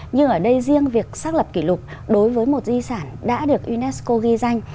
nhưng ở đây riêng việc xác lập kỷ lục đối với một di sản đã được unesco ghi danh